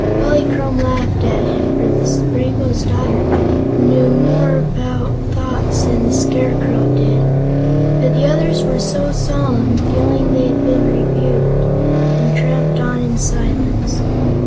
Polychrome laughed at him, for the Rainbow's Daughter knew more about thoughts than the Scarecrow did. But the others were solemn, feeling they had been rebuked, and tramped on in silence.